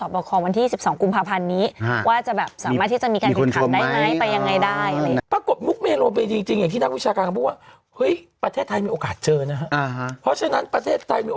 เพราะฉะนั้นประเทศไทยมีโอกาสเจอแล้ว